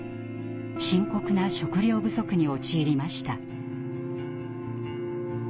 深刻な食糧不足に陥りました。